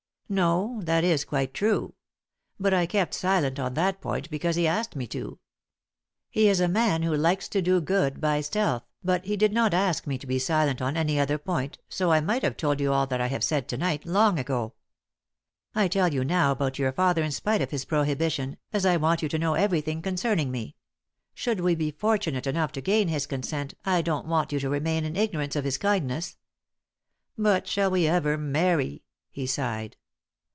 "No, that is quite true. But I kept silent on that point because he asked me to. He is a man who likes to do good by stealth, but he did not ask me to be silent on any other point, so I might have told you all that I have said to night long ago. I tell you now about your father in spite of his prohibition, as I want you to know everything concerning me. Should we be fortunate enough to gain his consent, I don't want you to remain in ignorance of his kindness. But shall we ever marry?" he sighed.